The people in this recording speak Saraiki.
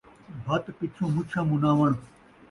بھت پچھوں مچھاں مُناوݨ